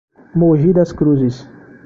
Moji Das Cruzes